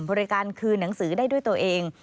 บริการคืนหนังสือได้ด้วยตัวเอง